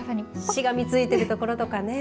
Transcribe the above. しがみついているところとかね。